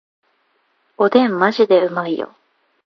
おでんマジでうまいよ